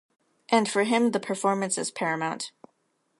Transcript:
And for him the performance is paramount.